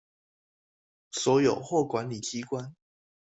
所有或管理機關